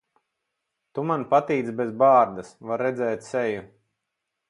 Tu man patīc bez bārdas. Var redzēt seju.